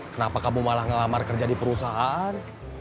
kenapa kamu malah ngelamar kerja di perusahaan